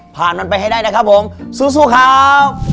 ผ่านมันไปให้ได้นะครับผมสู้ครับ